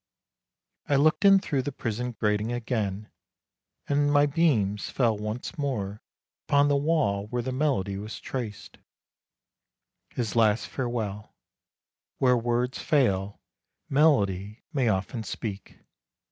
I looked in through the prison grating again, and my beams fell once more upon the wall where the melody was traced — his last farewell: where words fail, melody may often speak!